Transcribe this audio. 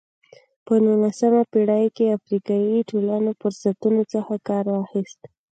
په نولسمه پېړۍ کې افریقایي ټولنو فرصتونو څخه کار واخیست.